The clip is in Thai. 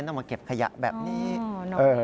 ต้องมาเก็บขยะแบบนี้